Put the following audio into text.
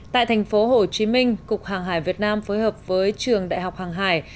tại thành phố hồ chí minh cục hàng hải việt nam phối hợp với trường đại học hàng hải